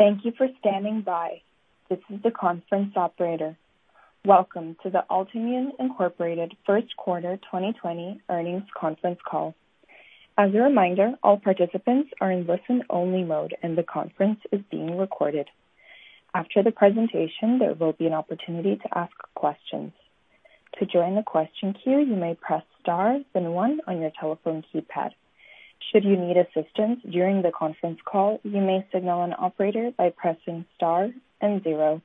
Thank you for standing by. This is the conference operator. Welcome to the Altimmune, Inc. First Quarter 2020 Earnings Conference Call. As a reminder, all participants are in listen-only mode, and the conference is being recorded. After the presentation, there will be an opportunity to ask questions. To join the question queue, you may press star then one on your telephone keypad. Should you need assistance during the conference call, you may signal an operator by pressing star and zero.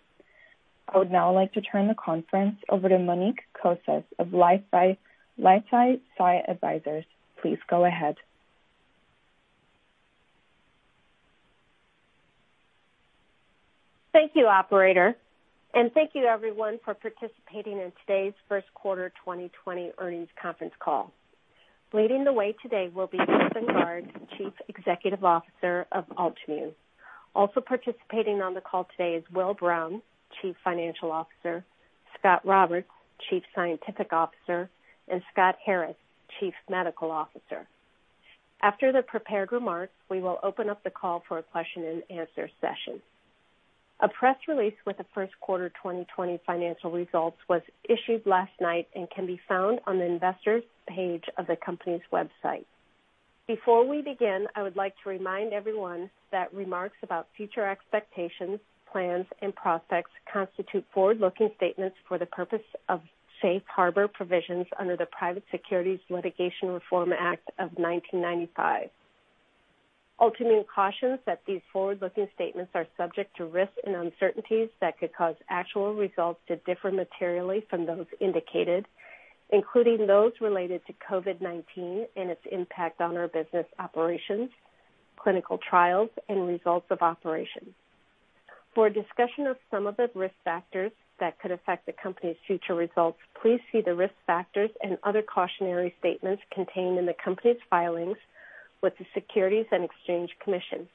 I would now like to turn the conference over to Monique Kosse of LifeSci Advisors. Please go ahead. Thank you, operator, and thank you, everyone, for participating in today's first quarter 2020 earnings conference call. Leading the way today will be Vipin Garg, Chief Executive Officer of Altimmune. Also participating on the call today is Will Brown, Chief Financial Officer, Scot Roberts, Chief Scientific Officer, and Scott Harris, Chief Medical Officer. After the prepared remarks, we will open up the call for a question and answer session. A press release with the first quarter 2020 financial results was issued last night and can be found on the investors page of the company's website. Before we begin, I would like to remind everyone that remarks about future expectations, plans and prospects constitute forward-looking statements for the purpose of safe harbor provisions under the Private Securities Litigation Reform Act of 1995. Altimmune cautions that these forward-looking statements are subject to risks and uncertainties that could cause actual results to differ materially from those indicated, including those related to COVID-19 and its impact on our business operations, clinical trials, and results of operations. For a discussion of some of the risk factors that could affect the company's future results, please see the risk factors and other cautionary statements contained in the company's filings with the Securities and Exchange Commission.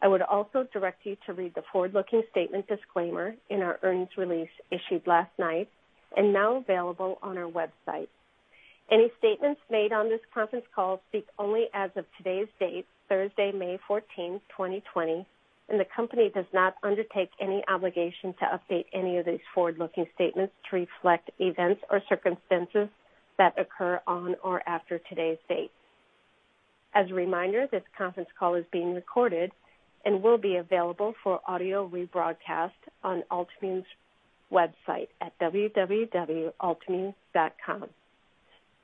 I would also direct you to read the forward-looking statement disclaimer in our earnings release issued last night and now available on our website. Any statements made on this conference call speak only as of today's date, Thursday, May 14th, 2020, and the company does not undertake any obligation to update any of these forward-looking statements to reflect events or circumstances that occur on or after today's date. As a reminder, this conference call is being recorded and will be available for audio rebroadcast on Altimmune's website at www.altimmune.com.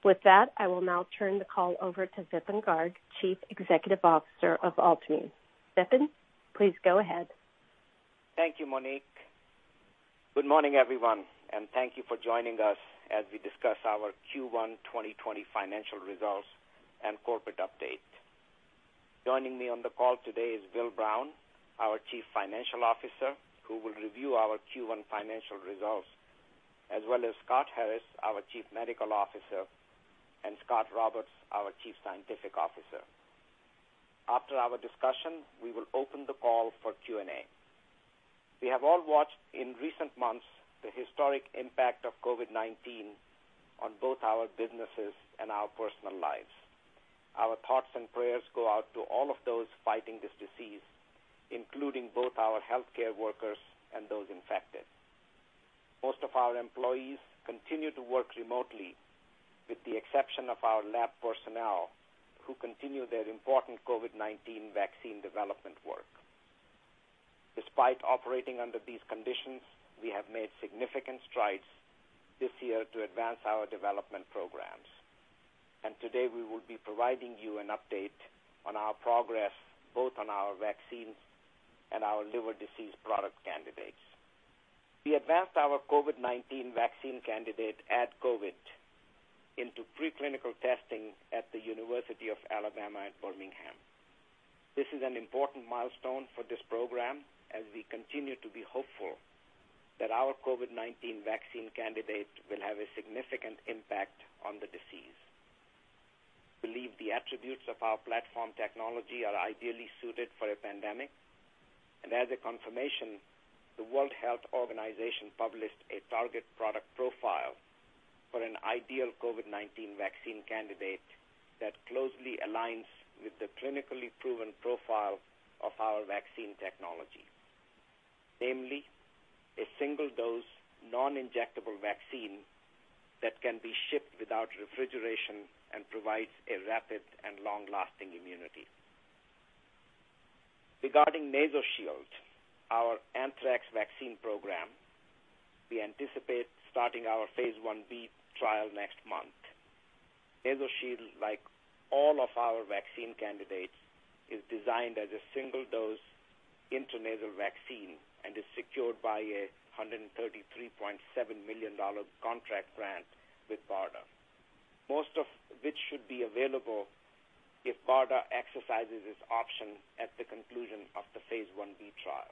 With that, I will now turn the call over to Vipin Garg, Chief Executive Officer of Altimmune. Vipin, please go ahead. Thank you, Monique. Good morning, everyone, and thank you for joining us as we discuss our Q1 2020 financial results and corporate update. Joining me on the call today is Will Brown, our Chief Financial Officer, who will review our Q1 financial results, as well as Scott Harris, our Chief Medical Officer, and Scot Roberts, our Chief Scientific Officer. After our discussion, we will open the call for Q&A. We have all watched in recent months the historic impact of COVID-19 on both our businesses and our personal lives. Our thoughts and prayers go out to all of those fighting this disease, including both our healthcare workers and those infected. Most of our employees continue to work remotely, with the exception of our lab personnel who continue their important COVID-19 vaccine development work. Despite operating under these conditions, we have made significant strides this year to advance our development programs. Today, we will be providing you an update on our progress, both on our vaccines and our liver disease product candidates. We advanced our COVID-19 vaccine candidate AdCOVID into pre-clinical testing at the University of Alabama at Birmingham. This is an important milestone for this program as we continue to be hopeful that our COVID-19 vaccine candidate will have a significant impact on the disease. We believe the attributes of our platform technology are ideally suited for a pandemic. As a confirmation, the World Health Organization published a target product profile for an ideal COVID-19 vaccine candidate that closely aligns with the clinically proven profile of our vaccine technology. Namely, a single-dose, non-injectable vaccine that can be shipped without refrigeration and provides a rapid and long-lasting immunity. Regarding NasoShield, our anthrax vaccine program, we anticipate starting our phase I-B trial next month. NasoShield, like all of our vaccine candidates, is designed as a single-dose intranasal vaccine and is secured by a $133.7 million contract grant with BARDA. Most of which should be available if BARDA exercises its option at the conclusion of the phase I-B trial.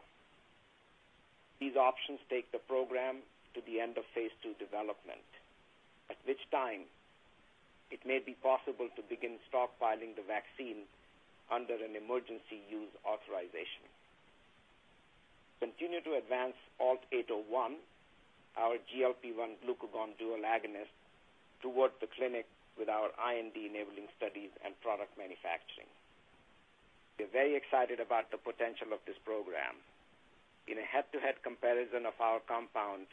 These options take the program to the end of phase II development, at which time it may be possible to begin stockpiling the vaccine under an emergency use authorization. Continue to advance ALT-801, our GLP-1/glucagon dual agonist, towards the clinic with our IND-enabling studies and product manufacturing. We're very excited about the potential of this program. In a head-to-head comparison of our compound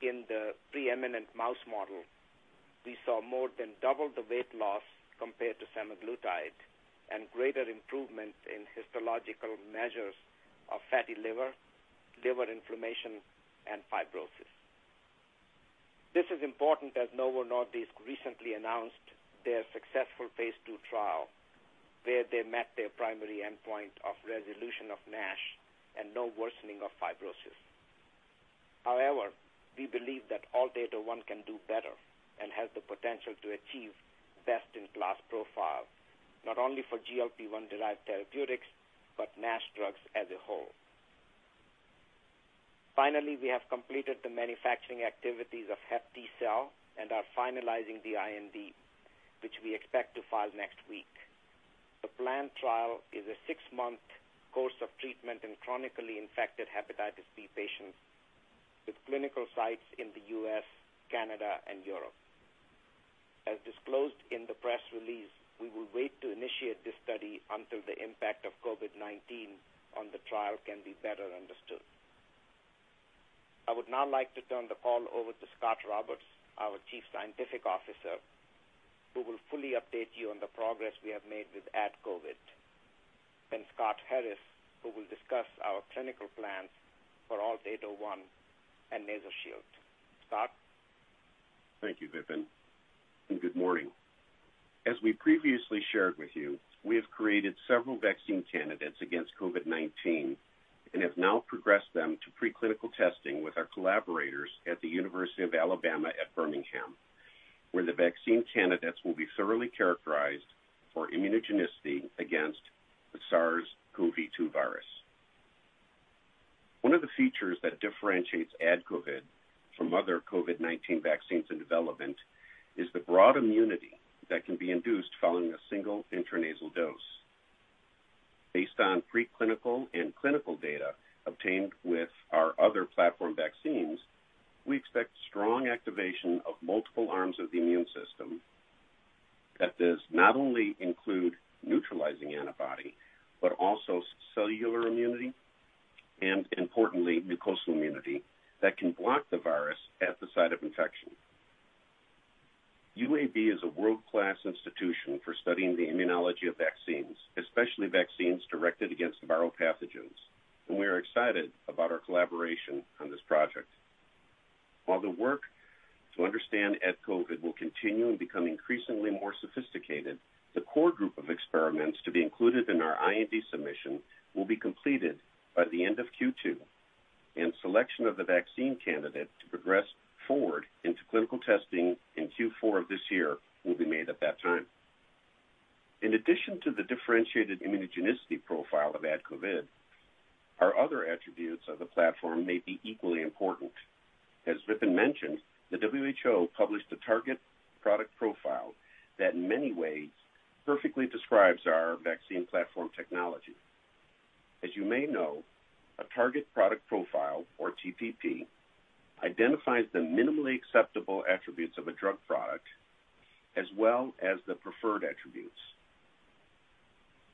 in the preeminent mouse model, we saw more than double the weight loss compared to semaglutide and greater improvement in histological measures of fatty liver inflammation, and fibrosis. This is important as Novo Nordisk recently announced their successful phase II trial, where they met their primary endpoint of resolution of NASH and no worsening of fibrosis. We believe that ALT-801 can do better and has the potential to achieve best-in-class profile, not only for GLP-1 derived therapeutics, but NASH drugs as a whole. We have completed the manufacturing activities of HepTcell and are finalizing the IND, which we expect to file next week. The planned trial is a six-month course of treatment in chronically infected hepatitis B patients with clinical sites in the U.S., Canada, and Europe. As disclosed in the press release, we will wait to initiate this study until the impact of COVID-19 on the trial can be better understood. I would now like to turn the call over to Scot Roberts, our Chief Scientific Officer, who will fully update you on the progress we have made with AdCOVID, then Scott Harris, who will discuss our clinical plans for ALT-801 and NasoShield. Scot? Thank you, Vipin, and good morning. As we previously shared with you, we have created several vaccine candidates against COVID-19 and have now progressed them to preclinical testing with our collaborators at the University of Alabama at Birmingham, where the vaccine candidates will be thoroughly characterized for immunogenicity against the SARS-CoV-2 virus. One of the features that differentiates AdCOVID from other COVID-19 vaccines in development is the broad immunity that can be induced following a single intranasal dose. Based on preclinical and clinical data obtained with our other platform vaccines, we expect strong activation of multiple arms of the immune system that does not only include neutralizing antibody, but also cellular immunity, and importantly, mucosal immunity that can block the virus at the site of infection. UAB is a world-class institution for studying the immunology of vaccines, especially vaccines directed against viral pathogens, and we are excited about our collaboration on this project. While the work to understand AdCOVID will continue and become increasingly more sophisticated, the core group of experiments to be included in our IND submission will be completed by the end of Q2, and selection of the vaccine candidate to progress forward into clinical testing in Q4 of this year will be made at that time. In addition to the differentiated immunogenicity profile of AdCOVID, our other attributes of the platform may be equally important. As Vipin mentioned, the WHO published a target product profile that in many ways perfectly describes our vaccine platform technology. As you may know, a target product profile, or TPP, identifies the minimally acceptable attributes of a drug product, as well as the preferred attributes.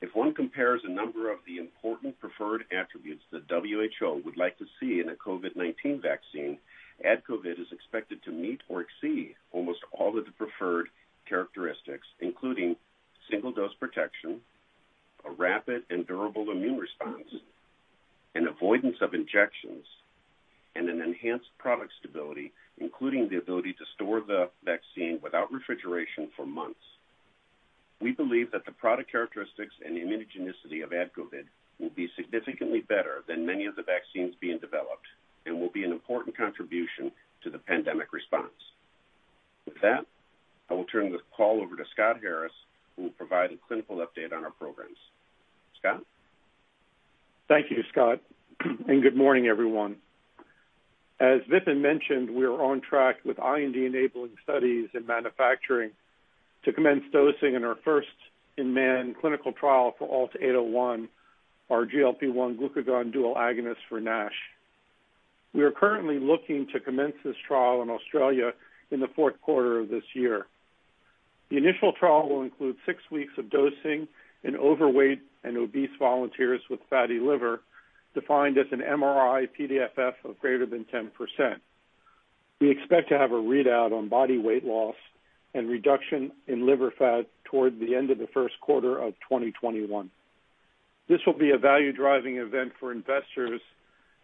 If one compares a number of the important preferred attributes the WHO would like to see in a COVID-19 vaccine, AdCOVID is expected to meet or exceed almost all of the preferred characteristics, including single-dose protection, a rapid and durable immune response, avoidance of injections, and an enhanced product stability, including the ability to store the vaccine without refrigeration for months. We believe that the product characteristics and immunogenicity of AdCOVID will be significantly better than many of the vaccines being developed and will be an important contribution to the pandemic response. With that, I will turn the call over to Scott Harris, who will provide a clinical update on our programs. Scott? Thank you, Scott. Good morning, everyone. As Vipin mentioned, we are on track with IND-enabling studies and manufacturing to commence dosing in our first-in-man clinical trial for ALT-801, our GLP-1/glucagon dual agonist for NASH. We are currently looking to commence this trial in Australia in the fourth quarter of this year. The initial trial will include six weeks of dosing in overweight and obese volunteers with fatty liver, defined as an MRI-PDFF of greater than 10%. We expect to have a readout on body weight loss and reduction in liver fat toward the end of the first quarter of 2021. This will be a value-driving event for investors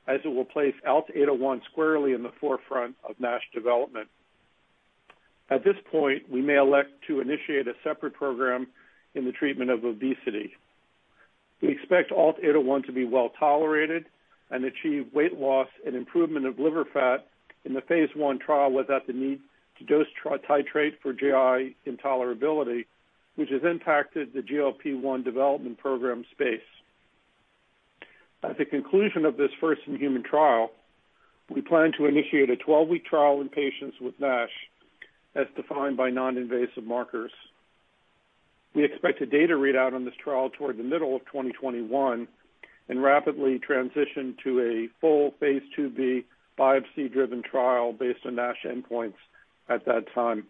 as it will place ALT-801 squarely in the forefront of NASH development. At this point, we may elect to initiate a separate program in the treatment of obesity. We expect ALT-801 to be well-tolerated and achieve weight loss and improvement of liver fat in the phase I trial without the need to dose titrate for GI intolerability, which has impacted the GLP-1 development program space. At the conclusion of this first human trial, we plan to initiate a 12-week trial in patients with NASH, as defined by non-invasive markers. We expect a data readout on this trial toward the middle of 2021 and rapidly transition to a full phase II-B biopsy-driven trial based on NASH endpoints at that time.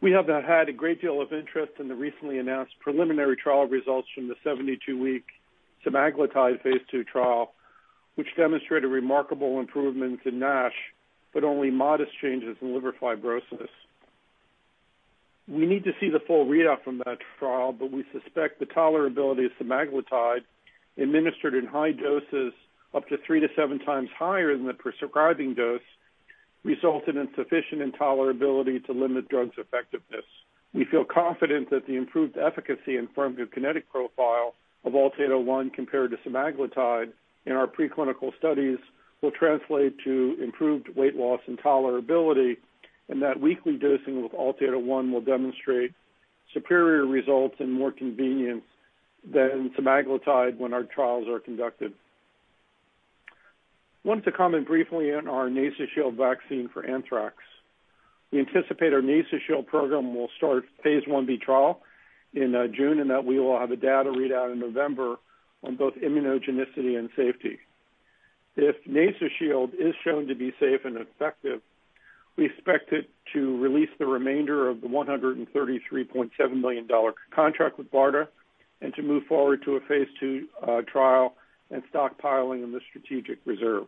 We have had a great deal of interest in the recently announced preliminary trial results from the 72-week semaglutide phase II trial, which demonstrated remarkable improvements in NASH, but only modest changes in liver fibrosis. We need to see the full readout from that trial, but we suspect the tolerability of semaglutide administered in high doses up to three to seven times higher than the prescribing dose, resulted in sufficient intolerability to limit drug's effectiveness. We feel confident that the improved efficacy and pharmacokinetic profile of ALT-801 compared to semaglutide in our preclinical studies will translate to improved weight loss and tolerability, and that weekly dosing with ALT-801 will demonstrate superior results and more convenience than semaglutide when our trials are conducted. I want to comment briefly on our NasoShield vaccine for anthrax. We anticipate our NasoShield program will start phase I-B trial in June, and that we will have a data readout in November on both immunogenicity and safety. If NasoShield is shown to be safe and effective, we expect it to release the remainder of the $133.7 million contract with BARDA and to move forward to a phase II trial and stockpiling in the strategic reserve.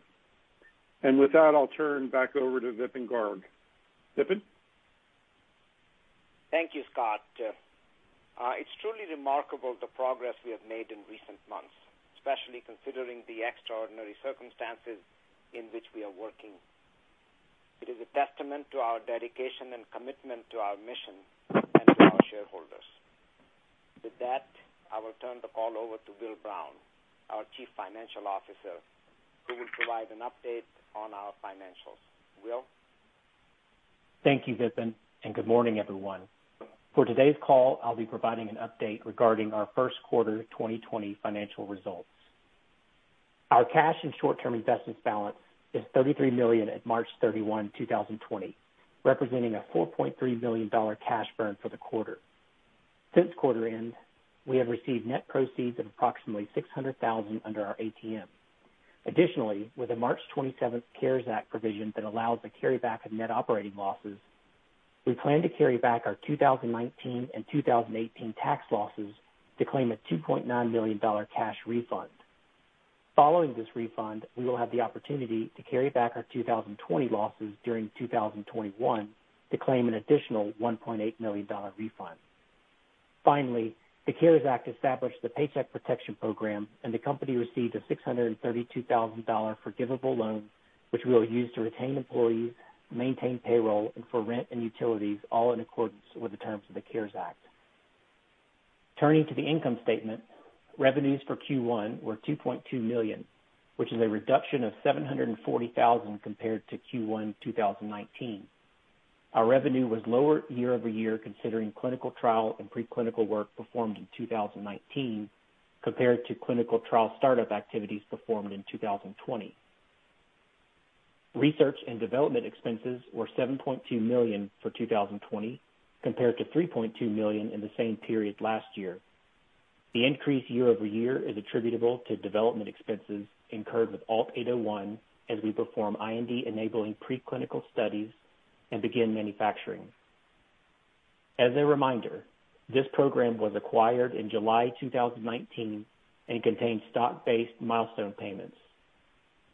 With that, I'll turn back over to Vipin Garg. Vipin? Thank you, Scott. It's truly remarkable the progress we have made in recent months, especially considering the extraordinary circumstances in which we are working. It is a testament to our dedication and commitment to our mission and to our shareholders. With that, I will turn the call over to Will Brown, our chief financial officer, who will provide an update on our financials. Will? Thank you, Vipin, and good morning, everyone. For today's call, I'll be providing an update regarding our first quarter 2020 financial results. Our cash and short-term investments balance is $33 million at March 31, 2020, representing a $4.3 million cash burn for the quarter. Since quarter end, we have received net proceeds of approximately $600,000 under our ATM. Additionally, with the March 27th CARES Act provision that allows the carry-back of net operating losses, we plan to carry back our 2019 and 2018 tax losses to claim a $2.9 million cash refund. Following this refund, we will have the opportunity to carry back our 2020 losses during 2021 to claim an additional $1.8 million refund. Finally, the CARES Act established the Paycheck Protection Program, and the company received a $632,000 forgivable loan, which we will use to retain employees, maintain payroll, and for rent and utilities, all in accordance with the terms of the CARES Act. Turning to the income statement, revenues for Q1 were $2.2 million, which is a reduction of $740,000 compared to Q1 2019. Our revenue was lower year-over-year considering clinical trial and preclinical work performed in 2019 compared to clinical trial startup activities performed in 2020. Research and development expenses were $7.2 million for 2020 compared to $3.2 million in the same period last year. The increase year-over-year is attributable to development expenses incurred with ALT-801 as we perform IND-enabling preclinical studies and begin manufacturing. As a reminder, this program was acquired in July 2019 and contains stock-based milestone payments.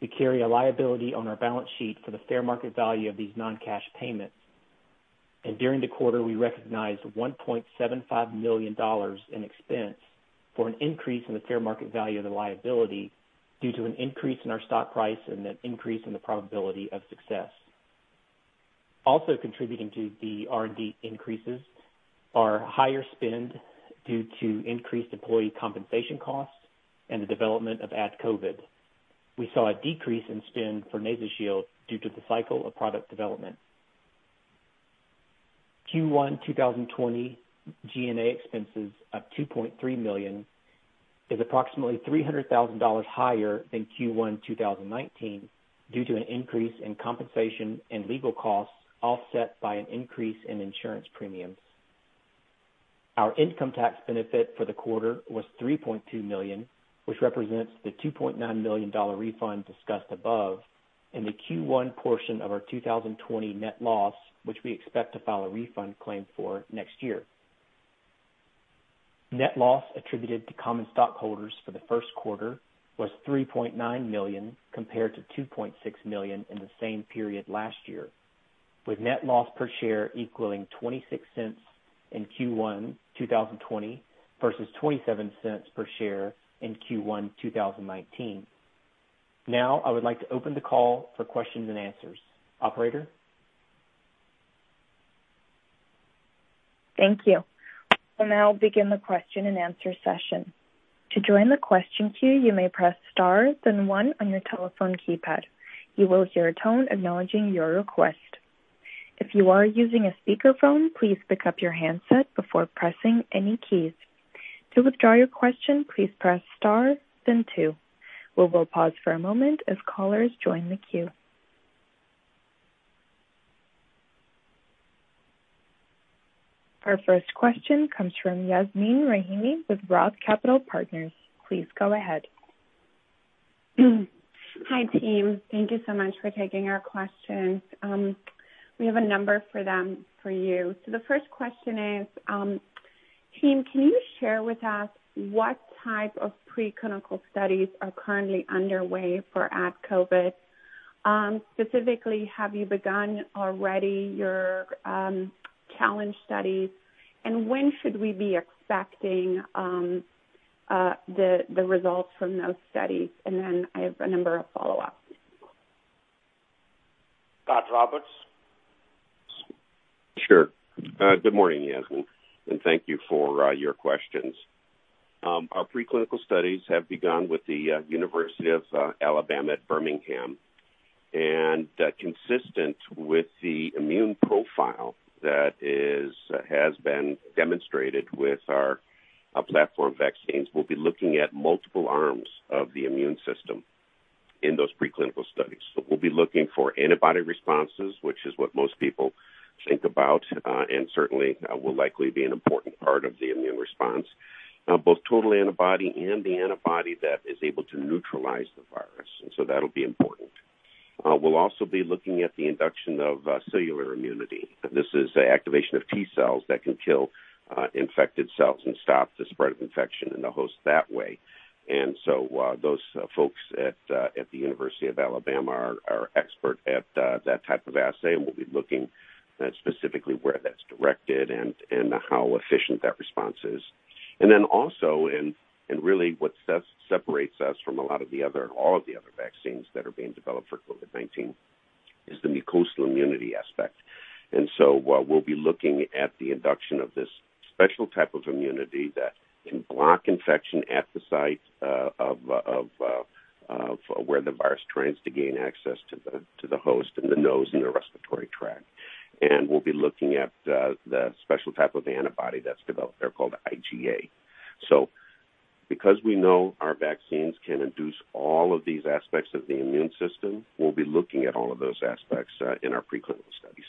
We carry a liability on our balance sheet for the fair market value of these non-cash payments. During the quarter, we recognized $1.75 million in expense for an increase in the fair market value of the liability due to an increase in our stock price and an increase in the probability of success. Also contributing to the R&D increases are higher spend due to increased employee compensation costs and the development of AdCOVID. We saw a decrease in spend for NasoShield due to the cycle of product development. Q1 2020 G&A expenses of $2.3 million is approximately $300,000 higher than Q1 2019 due to an increase in compensation and legal costs offset by an increase in insurance premiums. Our income tax benefit for the quarter was $3.2 million, which represents the $2.9 million refund discussed above and the Q1 portion of our 2020 net loss, which we expect to file a refund claim for next year. Net loss attributed to common stockholders for the first quarter was $3.9 million compared to $2.6 million in the same period last year, with net loss per share equaling $0.26 in Q1 2020 versus $0.27 per share in Q1 2019. I would like to open the call for questions and answers. Operator? Thank you. We will now begin the question and answer session. To join the question queue, you may press star then one on your telephone keypad. You will hear a tone acknowledging your request. If you are using a speakerphone, please pick up your handset before pressing any keys. To withdraw your question, please press star then two. We will pause for a moment as callers join the queue. Our first question comes from Yasmeen Rahimi with ROTH Capital Partners. Please go ahead. Hi, team. Thank you so much for taking our questions. We have a number of them for you. The first question is, team, can you share with us what type of preclinical studies are currently underway for AdCOVID? Specifically, have you begun already your challenge studies, and when should we be expecting the results from those studies? I have a number of follow-ups. Scot Roberts. Sure. Good morning, Yasmeen, and thank you for your questions. Our preclinical studies have begun with the University of Alabama at Birmingham, and consistent with the immune profile that has been demonstrated with our platform vaccines, we'll be looking at multiple arms of the immune system in those preclinical studies. We'll be looking for antibody responses, which is what most people think about, and certainly will likely be an important part of the immune response. Both total antibody and the antibody that is able to neutralize the virus, and so that'll be important. We'll also be looking at the induction of cellular immunity. This is the activation of T cells that can kill infected cells and stop the spread of infection in the host that way. Those folks at the University of Alabama are expert at that type of assay, and we'll be looking specifically where that's directed and how efficient that response is. What separates us from all of the other vaccines that are being developed for COVID-19 is the mucosal immunity aspect. We'll be looking at the induction of this special type of immunity that can block infection at the site of where the virus tries to gain access to the host in the nose and the respiratory tract. We'll be looking at the special type of antibody that's developed there called IgA. Because we know our vaccines can induce all of these aspects of the immune system, we'll be looking at all of those aspects in our preclinical studies.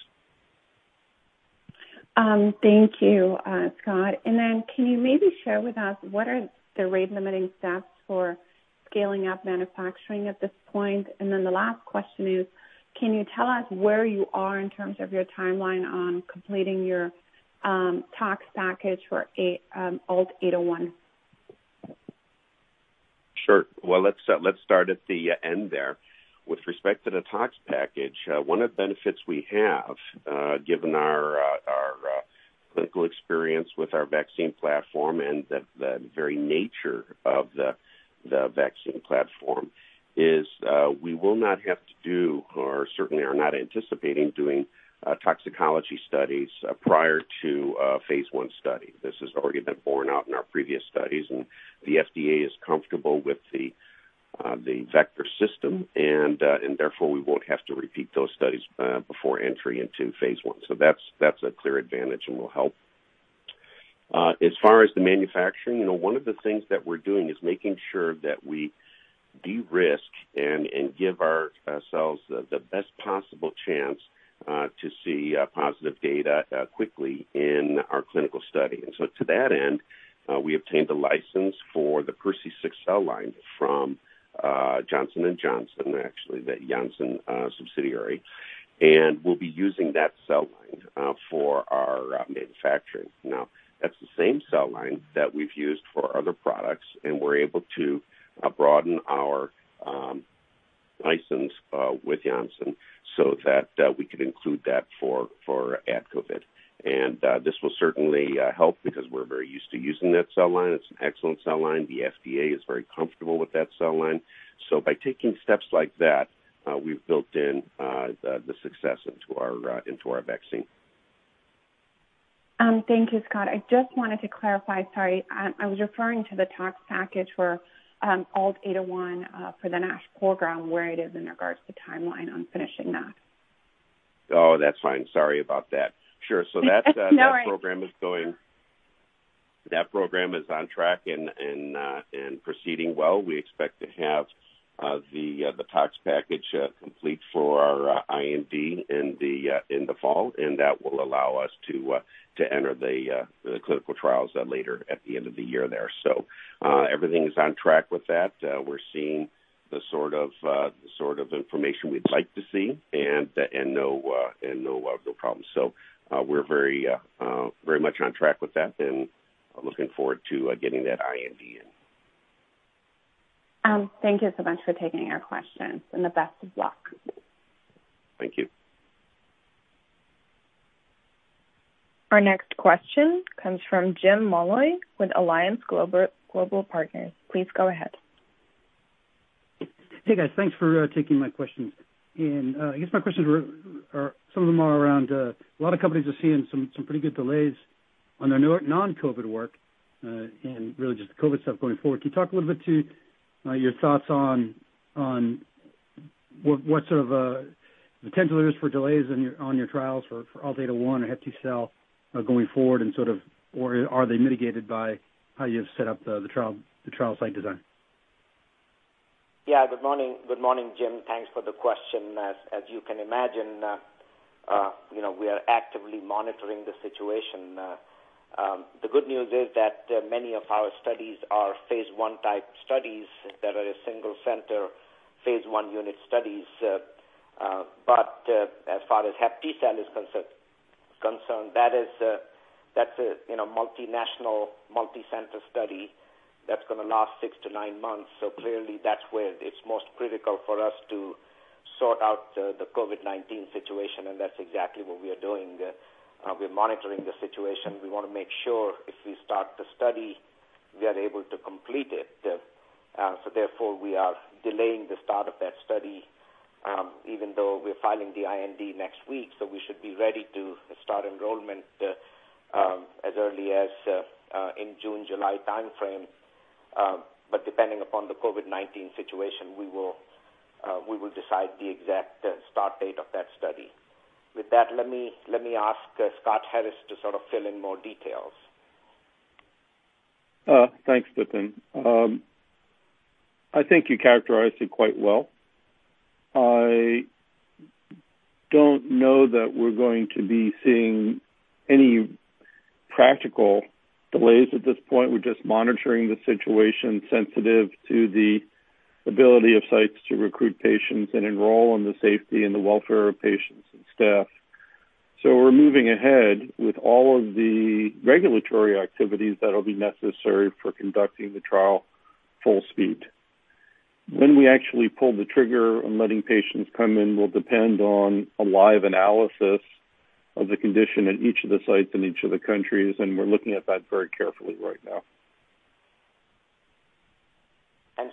Thank you, Scot. Can you maybe share with us what are the rate limiting steps for scaling up manufacturing at this point? The last question is, can you tell us where you are in terms of your timeline on completing your tox package for ALT-801? Sure. Let's start at the end there. With respect to the tox package, one of the benefits we have given our clinical experience with our vaccine platform and the very nature of the vaccine platform is we will not have to do, or certainly are not anticipating doing toxicology studies prior to phase I study. This has already been borne out in our previous studies, and the FDA is comfortable with the vector system, and therefore we won't have to repeat those studies before entry into phase I. That's a clear advantage and will help. As far as the manufacturing, one of the things that we're doing is making sure that we de-risk and give ourselves the best possible chance to see positive data quickly in our clinical study. To that end, we obtained a license for the PER.C6 cell line from Johnson & Johnson, actually the Janssen subsidiary. We'll be using that cell line for our manufacturing. Now, that's the same cell line that we've used for other products, and we're able to broaden our license with Janssen so that we could include that for AdCOVID. This will certainly help because we're very used to using that cell line. It's an excellent cell line. The FDA is very comfortable with that cell line. By taking steps like that, we've built in the success into our vaccine. Thank you, Scot. I just wanted to clarify, sorry. I was referring to the tox package for ALT-801 for the NASH program, where it is in regards to timeline on finishing that. Oh, that's fine. Sorry about that. Sure. No worries. That program is on track and proceeding well. We expect to have the tox package complete for our IND in the fall, and that will allow us to enter the clinical trials later at the end of the year there. Everything is on track with that. We're seeing the sort of information we'd like to see, and no problems. We're very much on track with that and looking forward to getting that IND in. Thank you so much for taking our questions and the best of luck. Thank you. Our next question comes from James Molloy with Alliance Global Partners. Please go ahead. Hey, guys. Thanks for taking my questions. I guess my questions, some of them are around a lot of companies are seeing some pretty good delays on their non-COVID-19 work and really just the COVID-19 stuff going forward. Can you talk a little bit to your thoughts on what sort of potential there is for delays on your trials for ALT-801 or HepTcell going forward, or are they mitigated by how you've set up the trial site design? Good morning, Jim. Thanks for the question. As you can imagine, we are actively monitoring the situation. The good news is that many of our studies are phase I-type studies that are a single center, phase I unit studies. As far as HepTcell is concerned, that's a multinational, multicenter study that's going to last six to nine months. Clearly that's where it's most critical for us to sort out the COVID-19 situation, and that's exactly what we are doing. We're monitoring the situation. We want to make sure if we start the study, we are able to complete it. Therefore, we are delaying the start of that study, even though we're filing the IND next week. We should be ready to start enrollment as early as in June, July timeframe. Depending upon the COVID-19 situation, we will decide the exact start date of that study. With that, let me ask Scott Harris to fill in more details. Thanks, Vipin. I think you characterized it quite well. I don't know that we're going to be seeing any practical delays at this point. We're just monitoring the situation sensitive to the ability of sites to recruit patients and enroll on the safety and the welfare of patients and staff. We're moving ahead with all of the regulatory activities that'll be necessary for conducting the trial full speed. When we actually pull the trigger on letting patients come in will depend on a live analysis of the condition at each of the sites in each of the countries, and we're looking at that very carefully right now.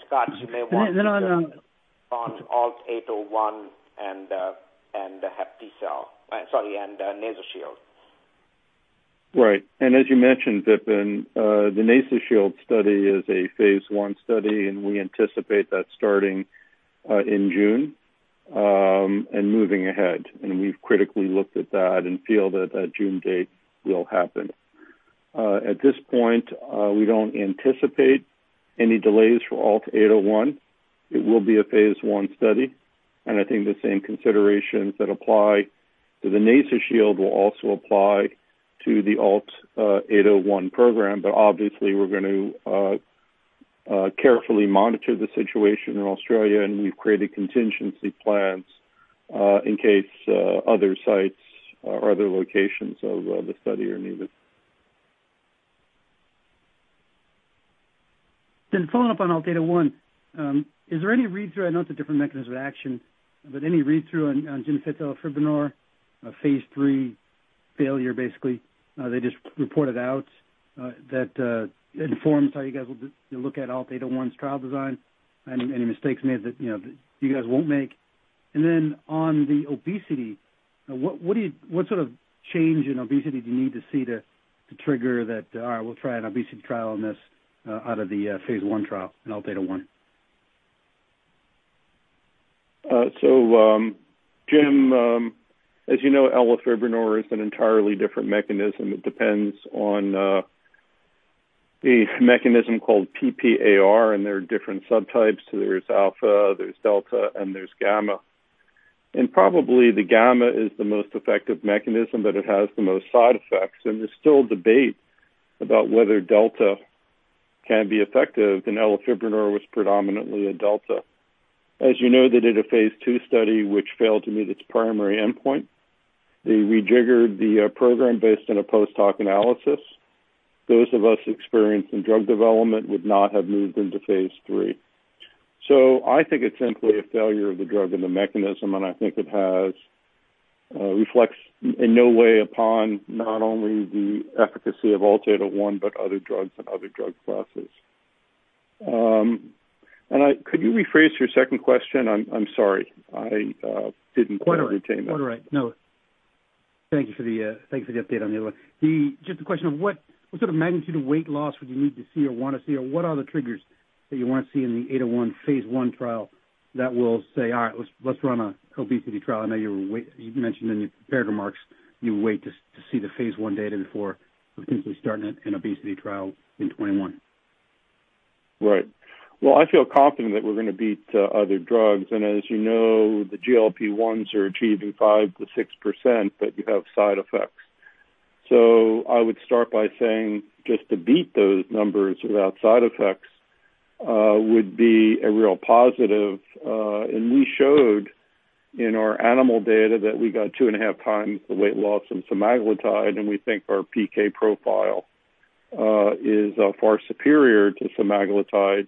Scott, you may want to. No, no. on ALT-801 and HepTcell, sorry, and NasoShield. Right. As you mentioned, Vipin, the NasoShield study is a phase I study, and we anticipate that starting in June, and moving ahead. We've critically looked at that and feel that that June date will happen. At this point, we don't anticipate any delays for ALT-801. It will be a phase I study. I think the same considerations that apply to the NasoShield will also apply to the ALT-801 program. Obviously, we're going to carefully monitor the situation in Australia, and we've created contingency plans, in case other sites or other locations of the study are needed. Following up on ALT-801, is there any read-through, I know it's a different mechanism of action, but any read-through on Rezdiffra or elafibranor phase III failure, basically? They just reported out that it informs how you guys will look at ALT-801's trial design and any mistakes made that you guys won't make. On the obesity, what sort of change in obesity do you need to see to trigger that, "All right, we'll try an obesity trial on this out of the phase I trial in ALT-801? Jim, as you know, elafibranor is an entirely different mechanism. It depends on a mechanism called PPAR, and there are different subtypes. There's alpha, there's delta, and there's gamma. Probably the gamma is the most effective mechanism, but it has the most side effects, and there's still debate about whether delta can be effective, and elafibranor was predominantly a delta. As you know, they did a phase II study which failed to meet its primary endpoint. They rejiggered the program based on a post-hoc analysis. Those of us experienced in drug development would not have moved into phase III. I think it's simply a failure of the drug and the mechanism, and I think it reflects in no way upon not only the efficacy of ALT-801, but other drugs and other drug classes. Could you rephrase your second question? I'm sorry. I didn't quite retain that. All right. No. Thank you for the update on the other one. Just a question of what sort of magnitude of weight loss would you need to see or want to see, or what are the triggers that you want to see in the ALT-801 phase I trial that will say, "All right, let's run an obesity trial."? I know you mentioned in your prepared remarks you wait to see the phase I data before potentially starting an obesity trial in 2021. Right. Well, I feel confident that we're going to beat other drugs. As you know, the GLP-1s are achieving 5%-6%, but you have side effects. I would start by saying just to beat those numbers without side effects would be a real positive. We showed in our animal data that we got two and a half times the weight loss from semaglutide, and we think our PK profile is far superior to semaglutide.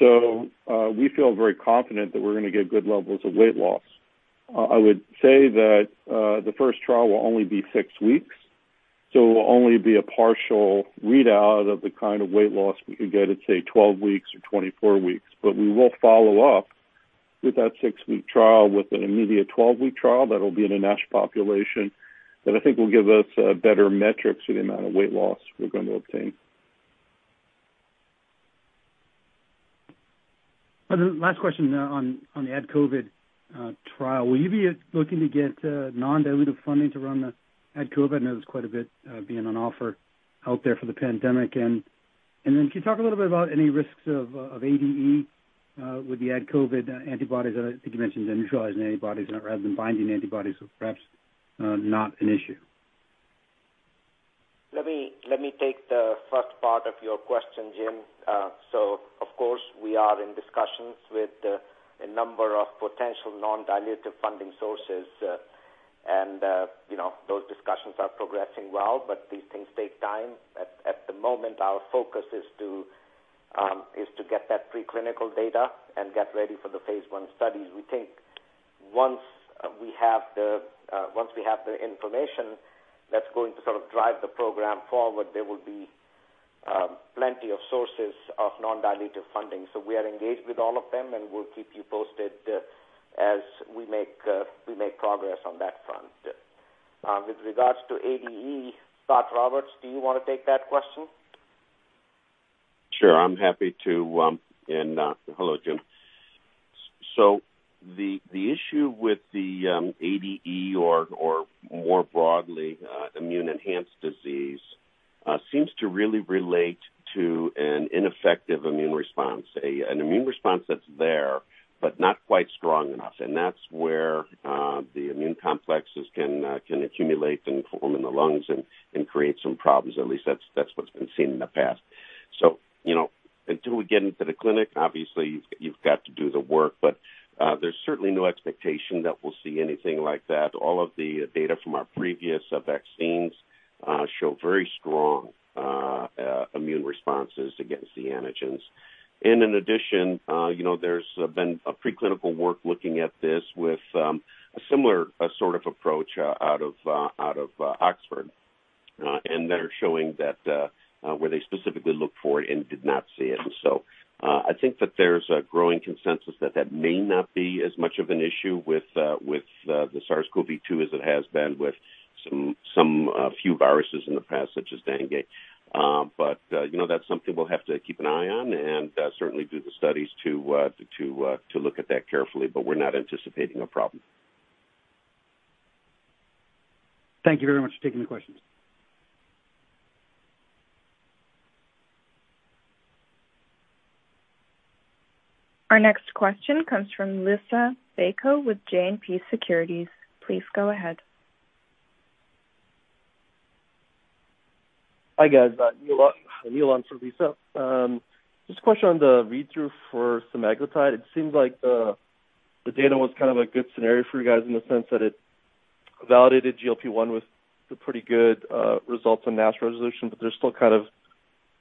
We feel very confident that we're going to get good levels of weight loss. I would say that the first trial will only be six weeks, so it will only be a partial readout of the kind of weight loss we could get at, say, 12 weeks or 24 weeks. We will follow up with that six-week trial with an immediate 12-week trial that'll be in a NASH population that I think will give us better metrics for the amount of weight loss we're going to obtain. Last question on the AdCOVID trial. Will you be looking to get non-dilutive funding to run the AdCOVID? I know there's quite a bit being on offer out there for the pandemic. Can you talk a little bit about any risks of ADE with the AdCOVID antibodies? I think you mentioned neutralizing antibodies rather than binding antibodies, so perhaps not an issue. Let me take the first part of your question, Jim. Of course, we are in discussions with a number of potential non-dilutive funding sources. Those discussions are progressing well, but these things take time. At the moment, our focus is to get that preclinical data and get ready for the phase I studies. We think once we have the information that's going to sort of drive the program forward, there will be plenty of sources of non-dilutive funding. We are engaged with all of them, and we'll keep you posted as we make progress on that front. With regards to ADE, Scot Roberts, do you want to take that question? Sure. I'm happy to. Hello, Jim. The issue with the ADE or more broadly, immune enhanced disease, seems to really relate to an ineffective immune response. An immune response that's there but not quite strong enough. That's where the immune complexes can accumulate and form in the lungs and create some problems. At least that's what's been seen in the past. Until we get into the clinic, obviously you've got to do the work, but there's certainly no expectation that we'll see anything like that. All of the data from our previous vaccines show very strong immune responses against the antigens. In addition there's been a preclinical work looking at this with a similar sort of approach out of Oxford, and that are showing that where they specifically looked for it and did not see it. I think that there's a growing consensus that that may not be as much of an issue with the SARS-CoV-2 as it has been with some few viruses in the past, such as dengue. That's something we'll have to keep an eye on and certainly do the studies to look at that carefully. We're not anticipating a problem. Thank you very much for taking the questions. Our next question comes from Lisa Bayco with JMP Securities. Please go ahead. Hi, guys. Neil on for Lisa. Just a question on the read-through for semaglutide. It seems like the data was kind of a good scenario for you guys in the sense that it validated GLP-1 with pretty good results on NASH resolution, but there's still kind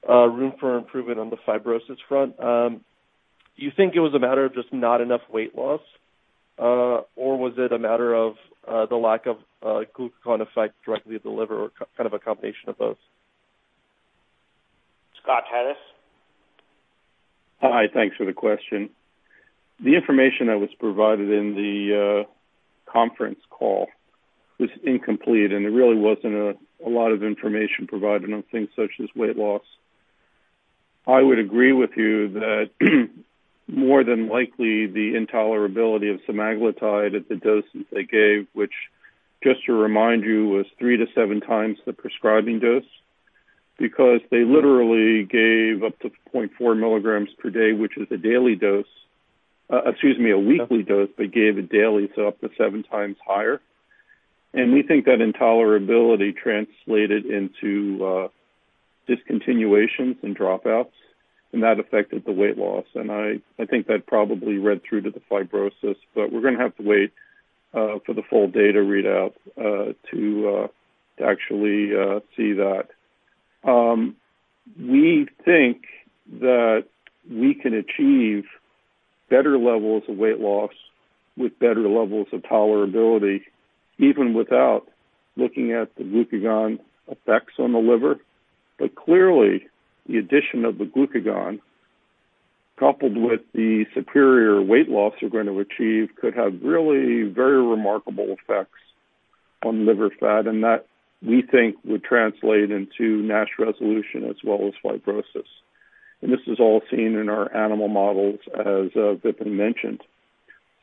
of room for improvement on the fibrosis front. Do you think it was a matter of just not enough weight loss? Or was it a matter of the lack of glucagon effects directly to the liver, or kind of a combination of both? Scott Harris. Hi. Thanks for the question. The information that was provided in the conference call was incomplete, and there really wasn't a lot of information provided on things such as weight loss. I would agree with you that more than likely the intolerability of semaglutide at the doses they gave, which just to remind you, was three to seven times the prescribing dose. Because they literally gave up to 0.4 milligrams per day, which is a weekly dose, they gave it daily, so up to seven times higher. We think that intolerability translated into discontinuations and dropouts, and that affected the weight loss. I think that probably read through to the fibrosis, but we're going to have to wait for the full data readout to actually see that. We think that we can achieve better levels of weight loss with better levels of tolerability, even without looking at the glucagon effects on the liver. Clearly, the addition of the glucagon, coupled with the superior weight loss we're going to achieve, could have really very remarkable effects on liver fat, and that we think would translate into NASH resolution as well as fibrosis. This is all seen in our animal models as Vipin mentioned.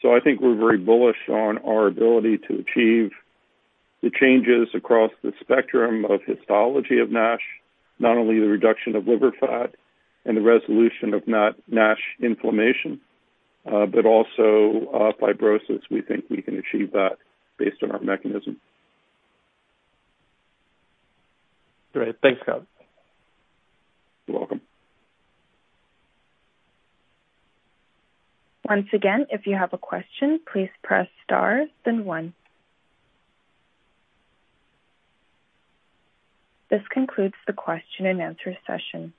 I think we're very bullish on our ability to achieve the changes across the spectrum of histology of NASH. Not only the reduction of liver fat and the resolution of NASH inflammation, but also fibrosis. We think we can achieve that based on our mechanism. Great. Thanks, Scott. You're welcome. Once again, if you have a question, please press star then one. This concludes the question and answer session.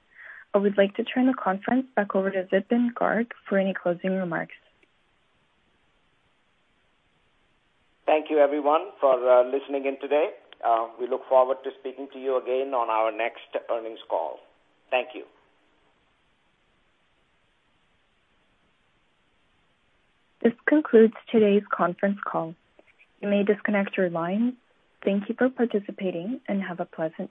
I would like to turn the conference back over to Vipin Garg for any closing remarks. Thank you everyone for listening in today. We look forward to speaking to you again on our next earnings call. Thank you. This concludes today's conference call. You may disconnect your line. Thank you for participating and have a pleasant day.